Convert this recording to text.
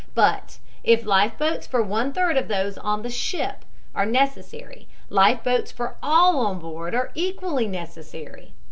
But if life boats for one third of those on the ship are necessary, life boats for all on board are equally necessary.